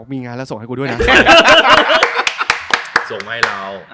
มีวานส่งไว้เนี่ย